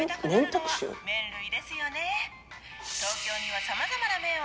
東京にはさまざまな麺を扱った。